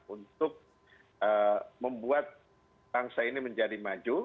untuk membuat bangsa ini menjadi maju